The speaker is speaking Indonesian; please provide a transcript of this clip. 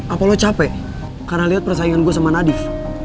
apa lo capek karena lihat persaingan gue sama nadif